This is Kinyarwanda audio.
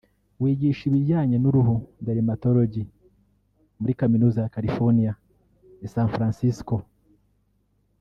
wigisha ibijyanye n’uruhu (dermatology ) muri Kaminuza ya California i San Francisco